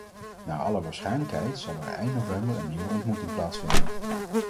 Naar alle waarschijnlijkheid zal er eind november een nieuwe ontmoeting plaatsvinden.